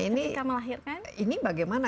nah ini bagaimana